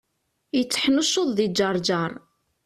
Yetteḥnuccuḍ di Ǧerǧer.